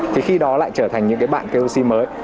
thì khi đó lại trở thành những bạn koc mới